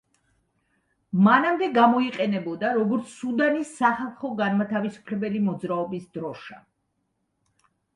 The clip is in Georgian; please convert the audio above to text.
მანამდე გამოიყენებოდა, როგორც სუდანის სახალხო-განმათავისუფლებელი მოძრაობის დროშა.